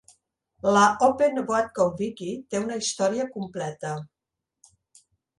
La "Open Watcom Wiki" té una història completa.